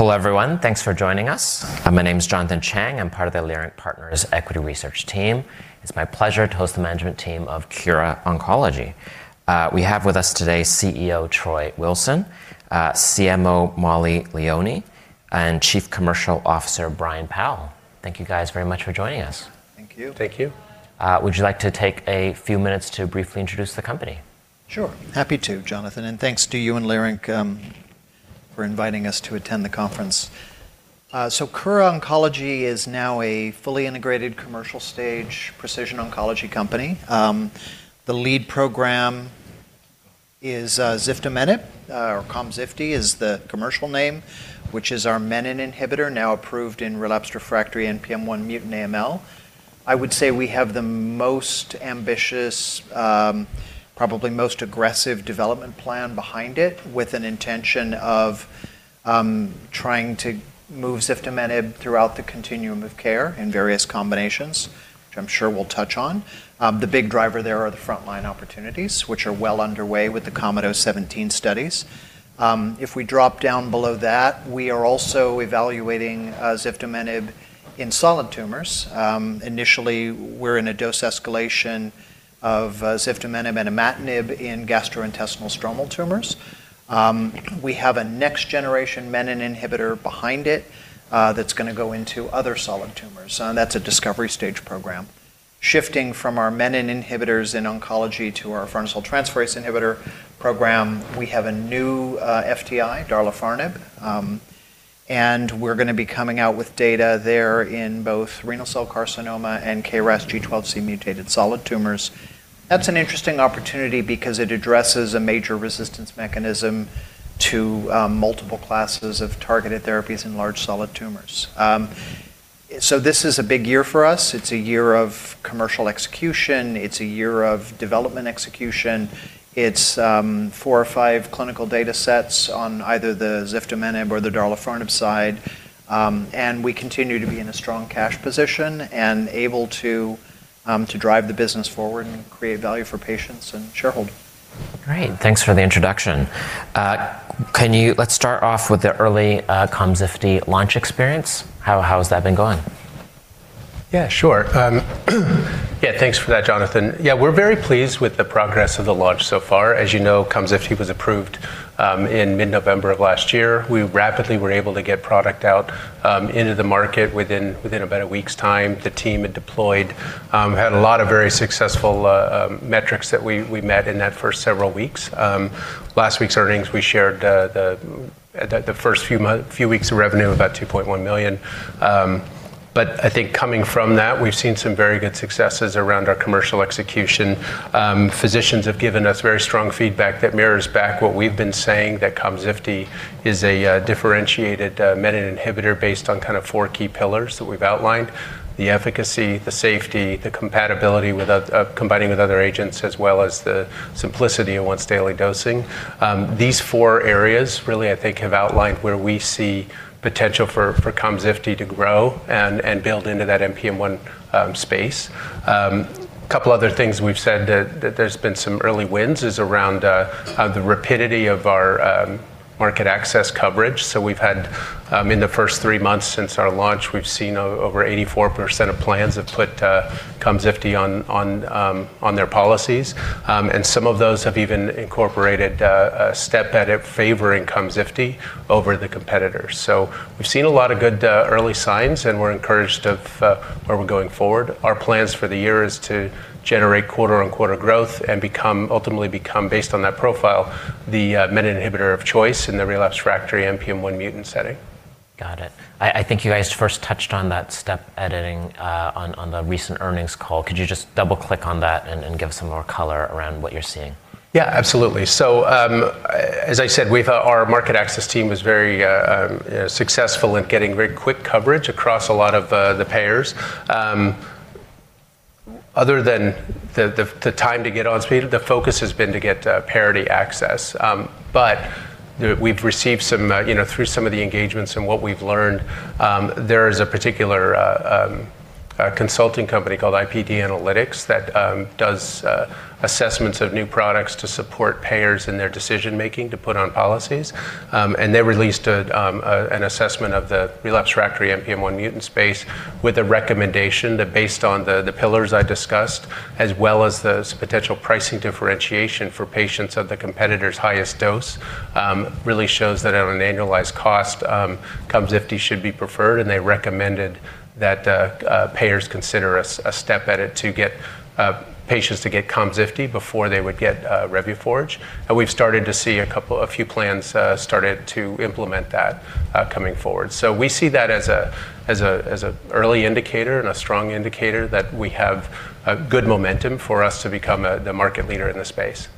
Hello, everyone. Thanks for joining us. My name is Jonathan Chang. I'm part of the Leerink Partners Equity Research Team. It's my pleasure to host the management team of Kura Oncology. We have with us today CEO Troy Wilson, CMO Mollie Leoni, and Chief Commercial Officer Brian Powl. Thank you guys very much for joining us. Thank you. Thank you. Would you like to take a few minutes to briefly introduce the company? Sure. Happy to, Jonathan, and thanks to you and Leerink, for inviting us to attend the conference. Kura Oncology is now a fully integrated commercial stage precision oncology company. The lead program is ziftomenib, or KOMZIFTI is the commercial name, which is our menin inhibitor now approved in relapsed refractory NPM1 mutant AML. I would say we have the most ambitious, probably most aggressive development plan behind it, with an intention of, trying to move ziftomenib throughout the continuum of care in various combinations, which I'm sure we'll touch on. The big driver there are the frontline opportunities, which are well underway with the KOMET-017 studies. If we drop down below that, we are also evaluating ziftomenib in solid tumors. Initially we're in a dose escalation of ziftomenib and imatinib in gastrointestinal stromal tumors. We have a next generation menin inhibitor behind it, that's gonna go into other solid tumors, and that's a discovery stage program. Shifting from our menin inhibitors in oncology to our farnesyltransferase inhibitor program, we have a new, FTI, darlifarnib, and we're gonna be coming out with data there in both renal cell carcinoma and KRAS G12C mutated solid tumors. That's an interesting opportunity because it addresses a major resistance mechanism to multiple classes of targeted therapies in large solid tumors. This is a big year for us. It's a year of commercial execution. It's a year of development execution. It's four or five clinical data sets on either the ziftomenib or the darlifarnib side. We continue to be in a strong cash position and able to drive the business forward and create value for patients and shareholders. Great. Thanks for the introduction. Let's start off with the early KOMZIFTI launch experience. How has that been going? Yeah, sure. Yeah, thanks for that, Jonathan. Yeah, we're very pleased with the progress of the launch so far. As you know, KOMZIFTI was approved in mid-November of last year. We rapidly were able to get product out into the market within about a week's time. The team had deployed had a lot of very successful metrics that we met in that first several weeks. Last week's earnings, we shared the first few weeks of revenue, about $2.1 million. But I think coming from that, we've seen some very good successes around our commercial execution. Physicians have given us very strong feedback that mirrors back what we've been saying that KOMZIFTI is a differentiated menin inhibitor based on kind of four key pillars that we've outlined, the efficacy, the safety, the compatibility of combining with other agents, as well as the simplicity in once daily dosing. These four areas really, I think, have outlined where we see potential for KOMZIFTI to grow and build into that NPM1 space. A couple other things we've said that there's been some early wins is around the rapidity of our market access coverage. We've had in the first three months since our launch, we've seen over 84% of plans have put KOMZIFTI on their policies. Some of those have even incorporated a step edit favoring KOMZIFTI over the competitors. We've seen a lot of good early signs, and we're encouraged of where we're going forward. Our plans for the year is to generate quarter-on-quarter growth and ultimately become, based on that profile, the menin inhibitor of choice in the relapsed refractory NPM1 mutant setting. Got it. I think you guys first touched on that step editing on the recent earnings call. Could you just double-click on that and give some more color around what you're seeing? Yeah, absolutely. As I said, our market access team was very successful in getting very quick coverage across a lot of the payers. Other than the time to get up to speed, the focus has been to get parity access. We've received some, you know, through some of the engagements and what we've learned, there is a particular consulting company called IPD Analytics that does assessments of new products to support payers in their decision-making to put on policies. They released an assessment of the relapsed refractory NPM1 mutant space with a recommendation that based on the pillars I discussed, as well as the potential pricing differentiation for patients of the competitor's highest dose, really shows that at an annualized cost, KOMZIFTI should be preferred. They recommended that payers consider a step edit to get patients to get KOMZIFTI before they would get revumenib. We've started to see a few plans started to implement that coming forward. We see that as an early indicator and a strong indicator that we have a good momentum for us to become the market leader in the space.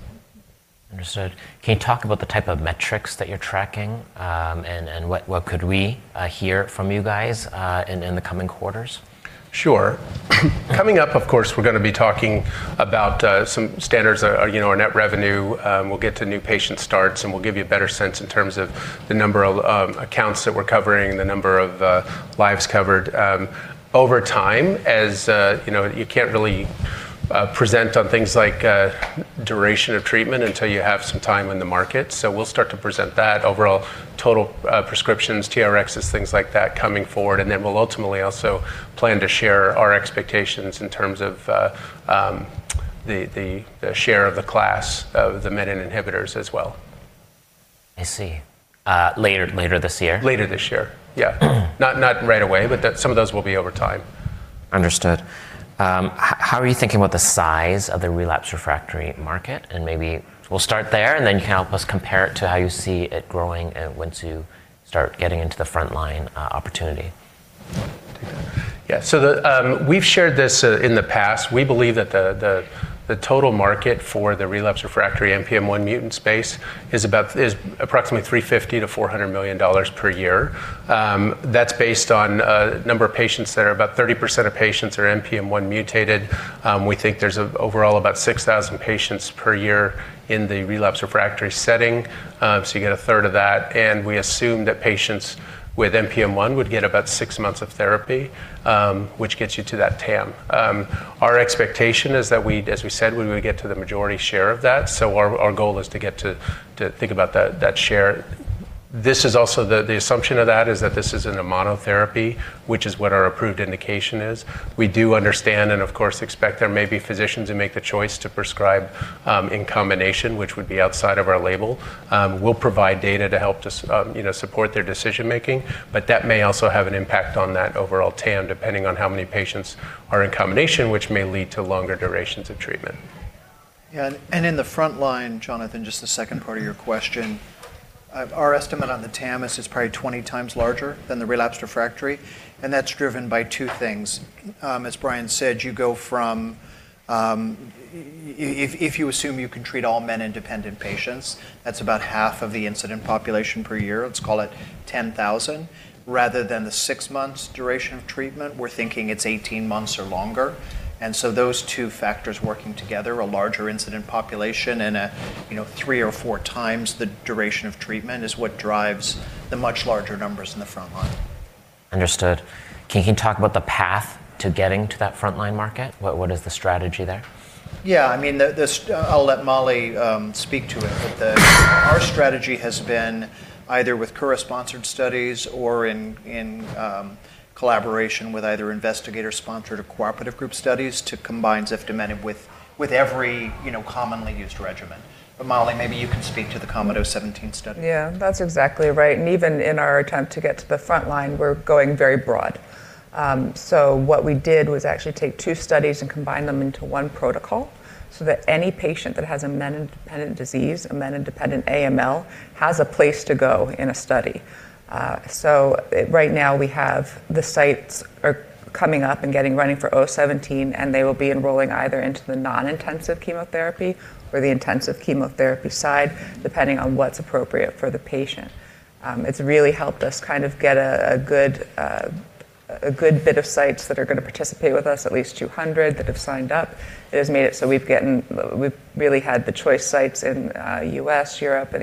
Understood. Can you talk about the type of metrics that you're tracking, and what could we hear from you guys in the coming quarters? Sure. Coming up, of course, we're gonna be talking about some standards, you know, our net revenue. We'll get to new patient starts, and we'll give you a better sense in terms of the number of accounts that we're covering and the number of lives covered over time. As you know, you can't really present on things like duration of treatment until you have some time in the market. So we'll start to present that. Overall total prescriptions, TRx, things like that coming forward, and then we'll ultimately also plan to share our expectations in terms of the share of the class of the menin inhibitors as well. I see. Later this year? Later this year. Yeah. Not right away, but that some of those will be over time. Understood. How are you thinking about the size of the relapsed refractory market? Maybe we'll start there, and then you can help us compare it to how you see it growing, once you start getting into the front line opportunity. Yeah. We've shared this in the past. We believe that the total market for the relapsed refractory NPM1 mutant space is approximately $350 million-$400 million per year. That's based on number of patients that are about 30% of patients are NPM1 mutated. We think there's overall about 6,000 patients per year in the relapsed refractory setting, so you get 1/3 of that. We assume that patients with NPM1 would get about six months of therapy, which gets you to that TAM. Our expectation is that we'd, as we said, we would get to the majority share of that, so our goal is to get to think about that share. This is also the assumption of that is that this isn't a monotherapy, which is what our approved indication is. We do understand and of course expect there may be physicians who make the choice to prescribe in combination, which would be outside of our label. We'll provide data to help, you know, support their decision-making, but that may also have an impact on that overall TAM depending on how many patients are in combination, which may lead to longer durations of treatment. In the front line, Jonathan, just the second part of your question, our estimate on the TAM is probably 20 times larger than the relapsed refractory, and that's driven by two things. As Brian said, you go from, if you assume you can treat all menin-dependent patients, that's about half of the incidence population per year. Let's call it 10,000. Rather than the six months duration of treatment, we're thinking it's 18 months or longer. Those two factors working together, a larger incidence population and a, you know, 3x or 4x the duration of treatment is what drives the much larger numbers in the front line. Understood. Can you talk about the path to getting to that front-line market? What is the strategy there? Yeah. I mean, I'll let Mollie speak to it. Our strategy has been either with Kura-sponsored studies or in collaboration with either investigator-sponsored or cooperative group studies to combine ziftomenib with every, you know, commonly used regimen. But Mollie, maybe you can speak to the KOMET-007 study. Yeah. That's exactly right. Even in our attempt to get to the front line, we're going very broad. What we did was actually take two studies and combine them into one protocol so that any patient that has a menin-dependent disease, a menin-dependent AML, has a place to go in a study. Right now we have the sites are coming up and getting running for KOMET-017, and they will be enrolling either into the non-intensive chemotherapy or the intensive chemotherapy side, depending on what's appropriate for the patient. It's really helped us kind of get a good bit of sites that are gonna participate with us, at least 200 that have signed up. It has made it so we've really had the choice sites in US, Europe, and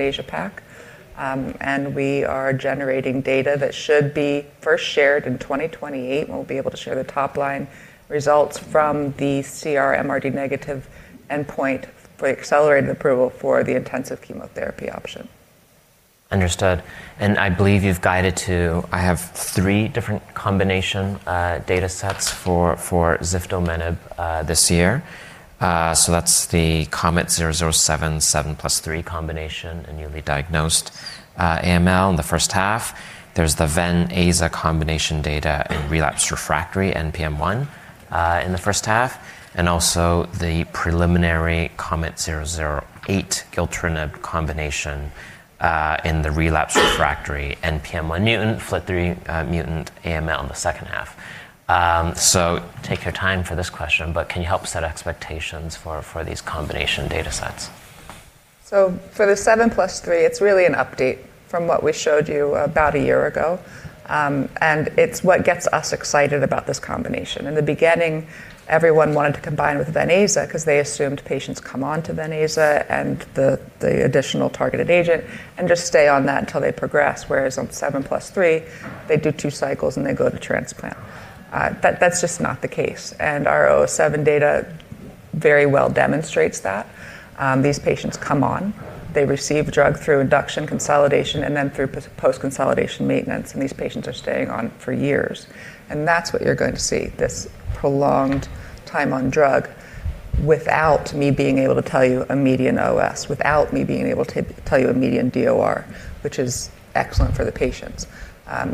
Asia-Pacific. We are generating data that should be first shared in 2028, and we'll be able to share the top-line results from the CR MRD-negative endpoint for accelerated approval for the intensive chemotherapy option. Understood. I believe you've guided that you have three different combination datasets for ziftomenib this year. That's the KOMET-007, 7+3 combination in newly diagnosed AML in the first half. There's the Ven/Aza combination data in relapsed refractory NPM1 in the first half, and also the preliminary KOMET-008 gilteritinib combination in the relapsed refractory NPM1 mutant FLT3 mutant AML in the second half. Take your time for this question, but can you help set expectations for these combination datasets? For the 7+3, it's really an update from what we showed you about a year ago, and it's what gets us excited about this combination. In the beginning, everyone wanted to combine with Ven/Aza because they assumed patients come onto Ven/Aza and the additional targeted agent and just stay on that until they progress. Whereas on 7+3, they do two cycles, and they go to transplant. That's just not the case. Our KOMET-007 data very well demonstrates that. These patients come on, they receive drug through induction consolidation and then through post-consolidation maintenance, and these patients are staying on for years. That's what you're going to see, this prolonged time on drug without me being able to tell you a median OS, without me being able to tell you a median DOR, which is excellent for the patients.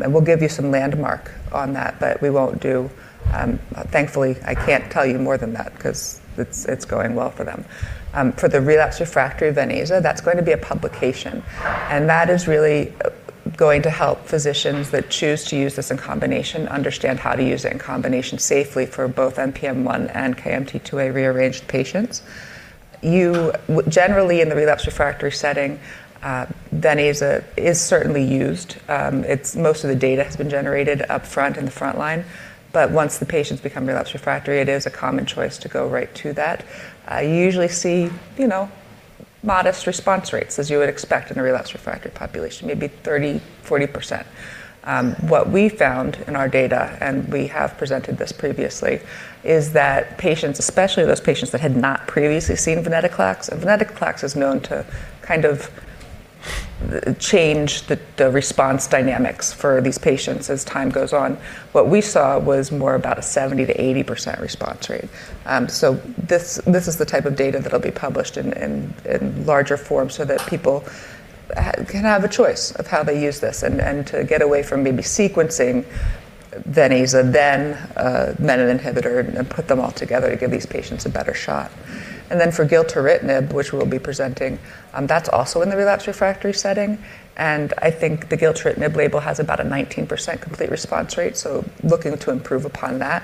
We'll give you some landmark on that. Thankfully, I can't tell you more than that because it's going well for them. For the relapsed refractory Ven/Aza, that's going to be a publication, and that is really going to help physicians that choose to use this in combination understand how to use it in combination safely for both NPM1 and KMT2A rearranged patients. Generally, in the relapsed refractory setting, Ven/Aza is certainly used. Most of the data has been generated up front in the front line, but once the patients become relapsed refractory, it is a common choice to go right to that. I usually see, you know, modest response rates as you would expect in a relapsed refractory population, maybe 30%-40%. What we found in our data, and we have presented this previously, is that patients, especially those patients that had not previously seen venetoclax, and venetoclax is known to kind of change the response dynamics for these patients as time goes on. What we saw was more about a 70%-80% response rate. This is the type of data that'll be published in larger form so that people can have a choice of how they use this and to get away from maybe sequencing Ven/Aza, then a menin inhibitor and put them all together to give these patients a better shot. Then for gilteritinib, which we'll be presenting, that's also in the relapsed refractory setting. I think the gilteritinib label has about a 19% complete response rate, so looking to improve upon that.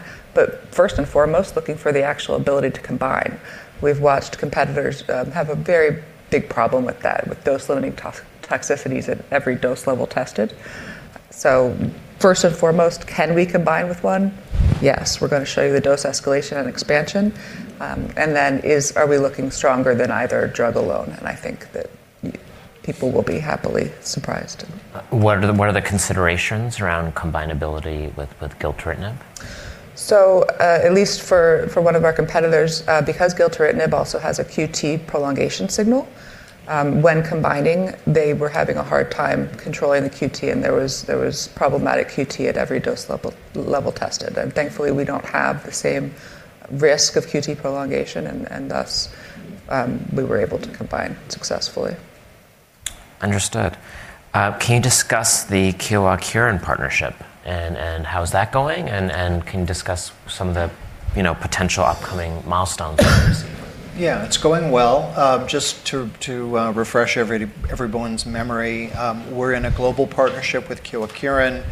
First and foremost, looking for the actual ability to combine. We've watched competitors have a very big problem with that, with dose-limiting toxicities at every dose level tested. First and foremost, can we combine with one? Yes. We're gonna show you the dose escalation and expansion. Are we looking stronger than either drug alone? I think that people will be happily surprised. What are the considerations around combinability with gilteritinib? At least for one of our competitors, because gilteritinib also has a QT prolongation signal, when combining, they were having a hard time controlling the QT, and there was problematic QT at every dose level tested. Thankfully, we don't have the same risk of QT prolongation and thus, we were able to combine successfully. Understood. Can you discuss the Kyowa Kirin partnership and how is that going? Can you discuss some of the, you know, potential upcoming milestones that we see? Yeah. It's going well. Just to refresh everyone's memory, we're in a global partnership with Kyowa Kirin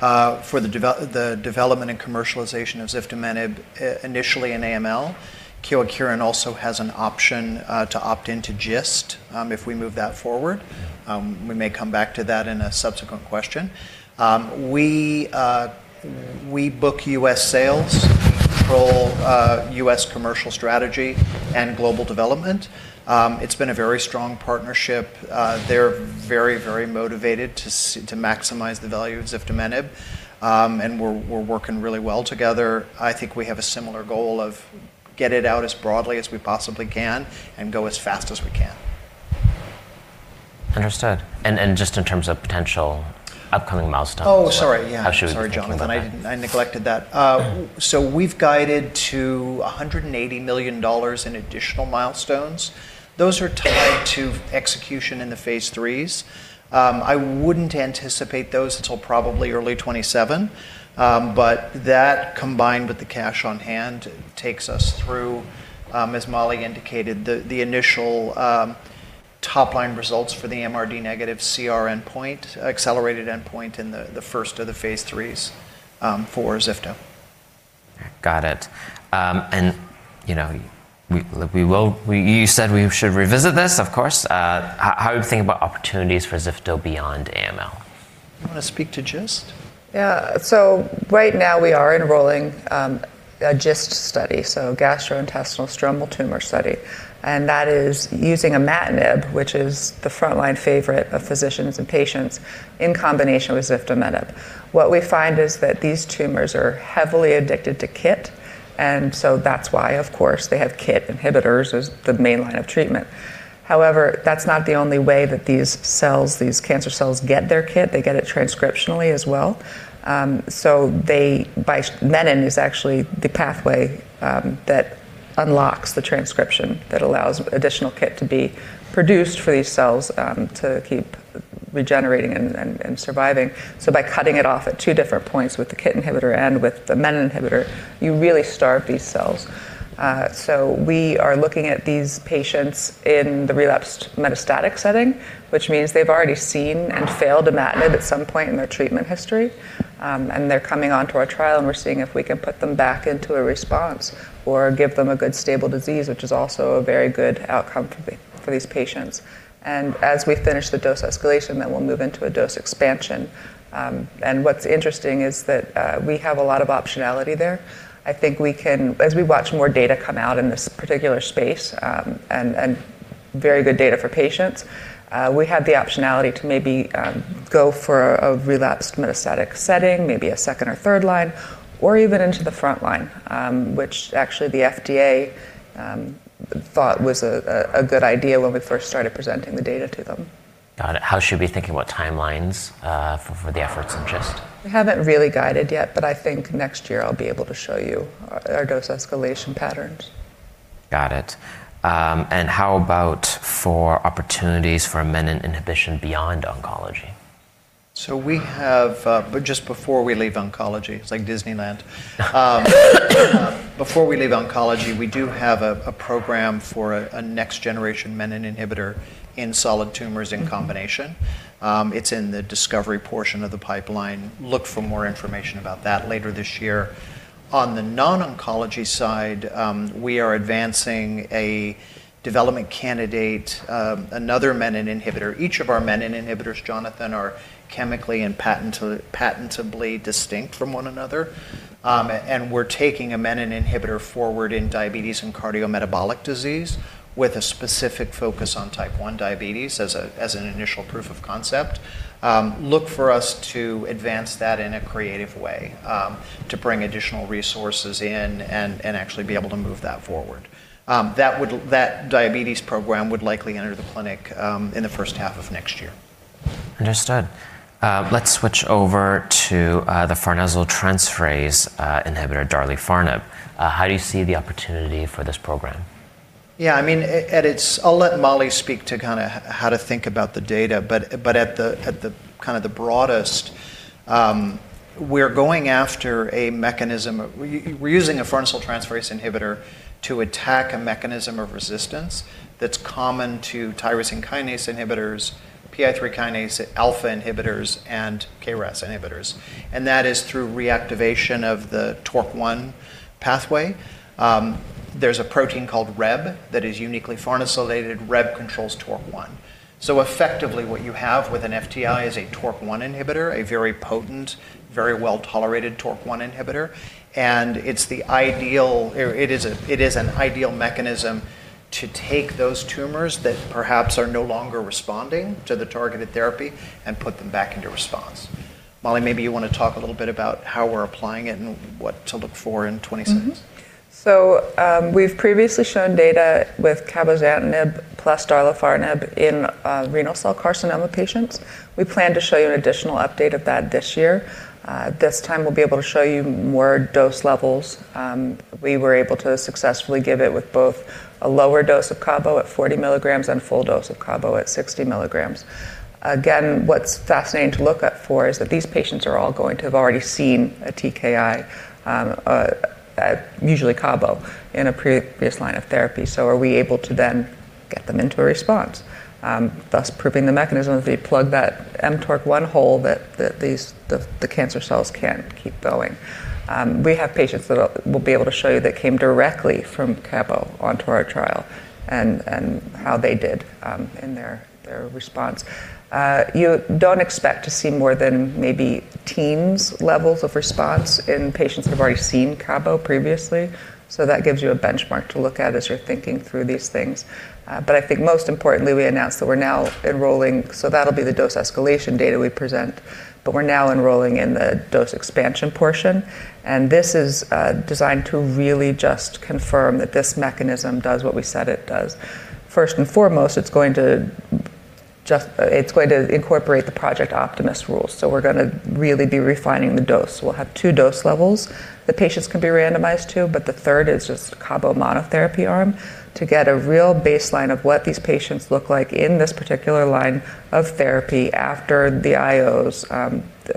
for the development and commercialization of ziftomenib initially in AML. Kyowa Kirin also has an option to opt in to GIST if we move that forward. We may come back to that in a subsequent question. We book U.S. sales, control U.S. commercial strategy and global development. It's been a very strong partnership. They're very, very motivated to maximize the value of ziftomenib, and we're working really well together. I think we have a similar goal of get it out as broadly as we possibly can and go as fast as we can. Understood. Just in terms of potential upcoming milestones. Oh, sorry. Yeah. How should we be thinking about that? Sorry, Jonathan. I neglected that. We've guided to $180 million in additional milestones. Those are tied to execution in the phase IIIs. I wouldn't anticipate those until probably early 2027. That combined with the cash on hand takes us through, as Mollie indicated, the initial top-line results for the MRD-negative CR endpoint, accelerated endpoint in the first of the phase IIIs, for ziftomenib. Got it. You know, we will. You said we should revisit this, of course. How are we thinking about opportunities for ziftomenib beyond AML? You wanna speak to GIST? Yeah. Right now we are enrolling a GIST study, gastrointestinal stromal tumor study. That is using imatinib, which is the frontline favorite of physicians and patients in combination with ziftomenib. What we find is that these tumors are heavily addicted to KIT, and so that's why, of course, they have KIT inhibitors as the main line of treatment. However, that's not the only way that these cells, these cancer cells get their KIT. They get it transcriptionally as well. By menin is actually the pathway that unlocks the transcription that allows additional KIT to be produced for these cells to keep regenerating and surviving. By cutting it off at two different points with the KIT inhibitor and with the menin inhibitor, you really starve these cells. We are looking at these patients in the relapsed metastatic setting, which means they've already seen and failed imatinib at some point in their treatment history, and they're coming onto our trial, and we're seeing if we can put them back into a response or give them a good stable disease, which is also a very good outcome for these patients. As we finish the dose escalation, then we'll move into a dose expansion. What's interesting is that we have a lot of optionality there. As we watch more data come out in this particular space, and very good data for patients, we have the optionality to maybe go for a relapsed metastatic setting, maybe a second or third line, or even into the front line, which actually the FDA thought was a good idea when we first started presenting the data to them. Got it. How should we be thinking about timelines, for the efforts in GIST? We haven't really guided yet, but I think next year I'll be able to show you our dose escalation patterns. Got it. How about for opportunities for menin inhibition beyond oncology? Just before we leave oncology, it's like Disneyland. Before we leave oncology, we do have a program for a next generation menin inhibitor in solid tumors in combination. It's in the discovery portion of the pipeline. Look for more information about that later this year. On the non-oncology side, we are advancing a development candidate, another menin inhibitor. Each of our menin inhibitors, Jonathan, are chemically and patentably distinct from one another. We're taking a menin inhibitor forward in diabetes and cardiometabolic disease with a specific focus on type 1 diabetes as an initial proof of concept. Look for us to advance that in a creative way, to bring additional resources in and actually be able to move that forward. That diabetes program would likely enter the clinic in the first half of next year. Understood. Let's switch over to the farnesyltransferase inhibitor darlifarnib. How do you see the opportunity for this program? Yeah, I mean, I'll let Mollie speak to kinda how to think about the data, but at the kind of the broadest, we're going after a mechanism. We're using a farnesyltransferase inhibitor to attack a mechanism of resistance that's common to tyrosine kinase inhibitors, PI3K-alpha inhibitors, and KRAS inhibitors, and that is through reactivation of the mTORC1 pathway. There's a protein called RHEB that is uniquely farnesylated. RHEB controls mTORC1. So effectively, what you have with an FTI is a mTORC1 inhibitor, a very potent, very well-tolerated mTORC1 inhibitor, and it is an ideal mechanism to take those tumors that perhaps are no longer responding to the targeted therapy and put them back into response. Mollie, maybe you wanna talk a little bit about how we're applying it and what to look for in 2026. We've previously shown data with cabozantinib plus darlifarnib in renal cell carcinoma patients. We plan to show you an additional update of that this year. This time we'll be able to show you more dose levels. We were able to successfully give it with both a lower dose of cabo at 40 milligrams and full dose of cabo at 60 milligrams. Again, what's fascinating to look forward to is that these patients are all going to have already seen a TKI, usually cabo in a previous line of therapy. Are we able to then get them into a response, thus proving the mechanism. If we plug that mTORC1 hole that these cancer cells can keep going. We have patients that we'll be able to show you that came directly from cabo onto our trial and how they did in their response. You don't expect to see more than maybe teens levels of response in patients that have already seen cabo previously, so that gives you a benchmark to look at as you're thinking through these things. I think most importantly, we announced that we're now enrolling, so that'll be the dose escalation data we present, but we're now enrolling in the dose expansion portion, and this is designed to really just confirm that this mechanism does what we said it does. First and foremost, it's going to incorporate the Project Optimus rules, so we're gonna really be refining the dose. We'll have two dose levels the patients can be randomized to, but the third is just cabo monotherapy arm to get a real baseline of what these patients look like in this particular line of therapy after the IO,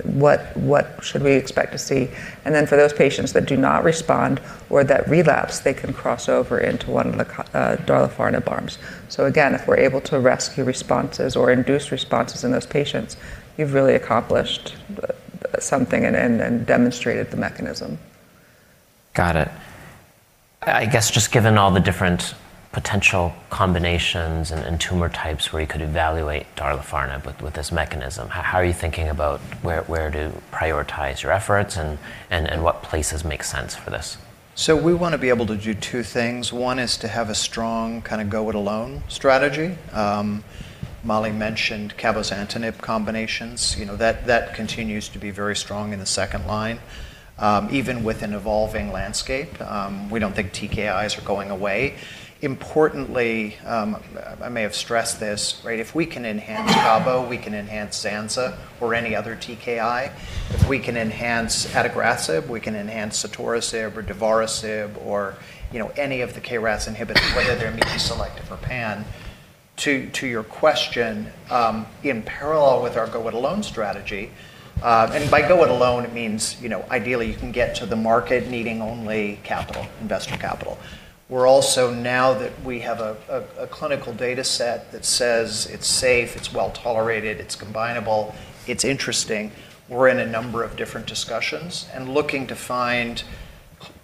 what should we expect to see. Then for those patients that do not respond or that relapse, they can cross over into one of the darlifarnib arms. Again, if we're able to rescue responses or induce responses in those patients, we've really accomplished something and demonstrated the mechanism. Got it. I guess just given all the different potential combinations and tumor types where you could evaluate darlifarnib with this mechanism, how are you thinking about where to prioritize your efforts and what places make sense for this? We wanna be able to do two things. One is to have a strong kinda go it alone strategy. Mollie mentioned cabozantinib combinations, you know. That continues to be very strong in the second line. Even with an evolving landscape, we don't think TKIs are going away. Importantly, I may have stressed this, right? If we can enhance cabo, we can enhance Lenvima or any other TKI. If we can enhance adagrasib, we can enhance sotorasib or divarasib or, you know, any of the KRAS inhibitors, whether they're MEK selective or pan. To your question, in parallel with our go it alone strategy, and by go it alone, it means, you know, ideally you can get to the market needing only capital, investment capital. We're also, now that we have a clinical data set that says it's safe, it's well-tolerated, it's combinable, it's interesting, we're in a number of different discussions and looking to find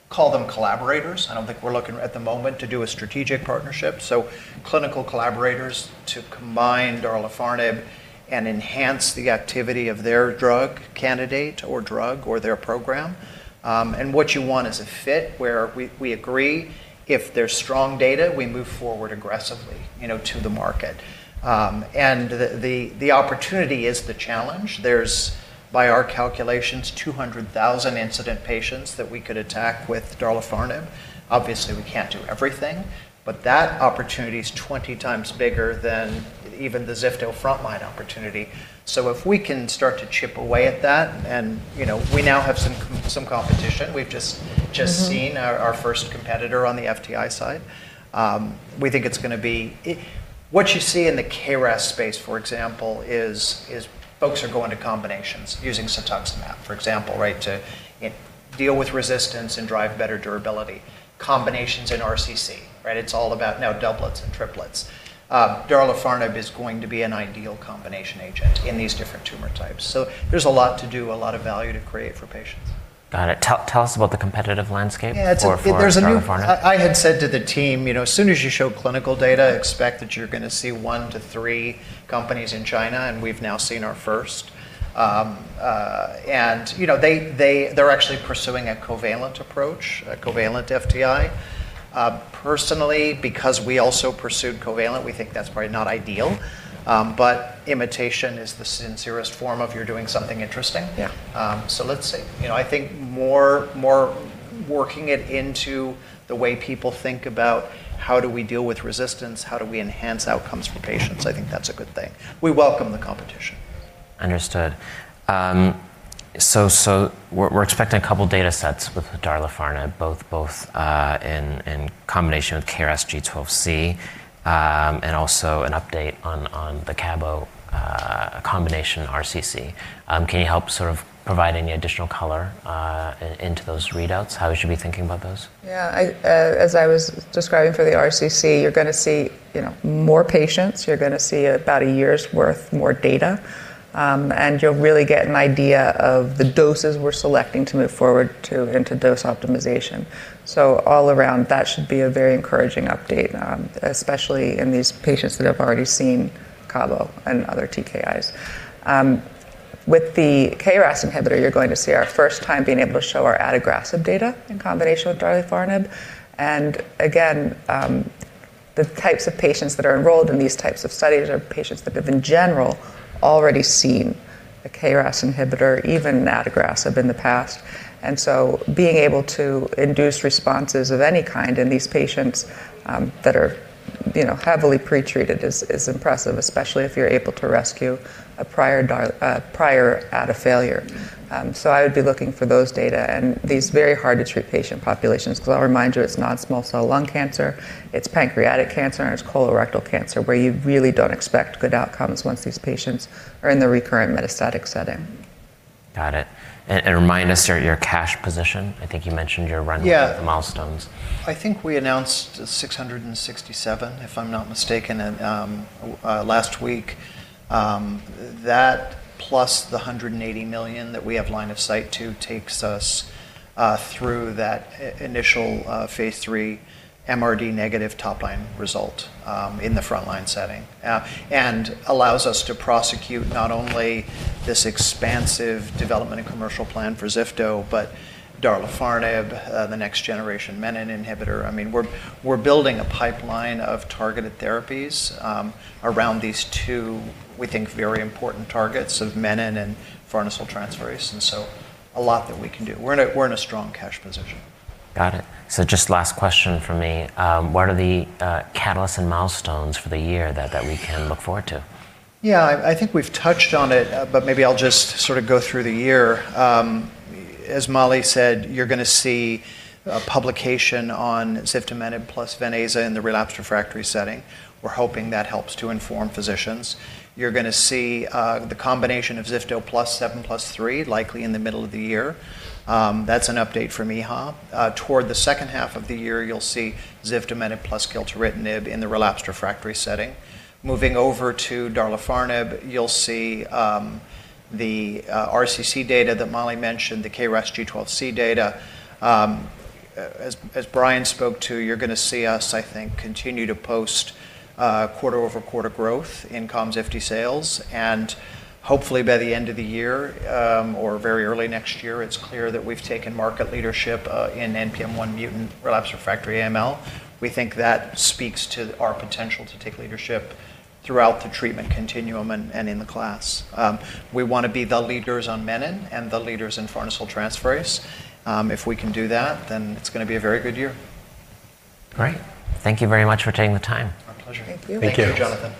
call them collaborators. I don't think we're looking at the moment to do a strategic partnership, so clinical collaborators to combine darlifarnib and enhance the activity of their drug candidate or drug or their program. What you want is a fit where we agree if there's strong data, we move forward aggressively, you know, to the market. The opportunity is the challenge. There's, by our calculations, 200,000 incident patients that we could attack with darlifarnib. Obviously, we can't do everything, but that opportunity is 20 times bigger than even the ziftomenib frontline opportunity. If we can start to chip away at that and, you know, we now have some competition. We've just seen- Our first competitor on the FTI side. We think it's gonna be what you see in the KRAS space, for example, folks are going to combinations using cetuximab, for example, right, to deal with resistance and drive better durability. Combinations in RCC, right? It's all about now doublets and triplets. Darlifarnib is going to be an ideal combination agent in these different tumor types. There's a lot to do, a lot of value to create for patients. Got it. Tell us about the competitive landscape? Yeah, it's. For darlifarnib. I had said to the team, "You know, as soon as you show clinical data, expect that you're gonna see one to three companies in China," and we've now seen our first. You know, they're actually pursuing a covalent approach, a covalent FTI. Personally, because we also pursued covalent, we think that's probably not ideal. Imitation is the sincerest form of flattery. You're doing something interesting. Yeah. Let's see. You know, I think more working it into the way people think about how do we deal with resistance, how do we enhance outcomes for patients, I think that's a good thing. We welcome the competition. Understood. We're expecting a couple data sets with darlifarnib both in combination with KRAS G12C, and also an update on the cabo combination RCC. Can you help sort of provide any additional color into those readouts, how we should be thinking about those? Yeah. As I was describing for the RCC, you're gonna see, you know, more patients. You're gonna see about a year's worth more data. You'll really get an idea of the doses we're selecting to move forward into dose optimization. All around, that should be a very encouraging update, especially in these patients that have already seen cabo and other TKIs. With the KRAS inhibitor, you're going to see our first time being able to show our adagrasib data in combination with darlifarnib, and again, the types of patients that are enrolled in these types of studies are patients that have, in general, already seen a KRAS inhibitor, even adagrasib in the past. Being able to induce responses of any kind in these patients that are, you know, heavily pre-treated is impressive, especially if you're able to rescue a prior darlifarnib, prior adagrasib failure. I would be looking for those data and these very hard to treat patient populations, 'cause I'll remind you, it's non-small cell lung cancer, it's pancreatic cancer, and it's colorectal cancer where you really don't expect good outcomes once these patients are in the recurrent metastatic setting. Got it. Remind us sort of your cash position. I think you mentioned you're running- Yeah. ...about the milestones. I think we announced $667 million, if I'm not mistaken, last week. That plus the $180 million that we have line of sight to takes us through that initial phase III MRD negative top-line result in the frontline setting and allows us to pursue not only this expansive development and commercial plan for ziftomenib, but darlifarnib, the next generation menin inhibitor. I mean, we're building a pipeline of targeted therapies around these two, we think, very important targets of menin and farnesyltransferase, so a lot that we can do. We're in a strong cash position. Got it. Just last question from me. What are the catalysts and milestones for the year that we can look forward to? Yeah. I think we've touched on it, but maybe I'll just sort of go through the year. As Mollie said, you're gonna see a publication on ziftomenib plus Ven/Aza in the relapsed refractory setting. You're gonna see the combination of ziftomenib plus 7+3 likely in the middle of the year. That's an update from EHA. Toward the second half of the year, you'll see ziftomenib plus gilteritinib in the relapsed refractory setting. Moving over to darlifarnib, you'll see the RCC data that Mollie mentioned, the KRAS G12C data. As Brian spoke to, you're gonna see us, I think, continue to post quarter-over-quarter growth in KOMZIFTI sales. Hopefully by the end of the year, or very early next year, it's clear that we've taken market leadership in NPM1 mutant relapsed refractory AML. We think that speaks to our potential to take leadership throughout the treatment continuum and in the class. We wanna be the leaders on menin and the leaders in farnesyltransferase. If we can do that, then it's gonna be a very good year. Great. Thank you very much for taking the time. My pleasure. Thank you. Thank you. Thank you, Jonathan.